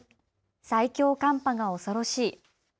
最強寒波が恐ろしい。